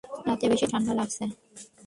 রাতে বেশি ঠান্ডা লাগছে।